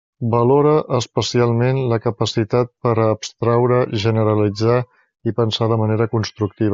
Valora especialment la capacitat per a abstraure, generalitzar i pensar de manera constructiva.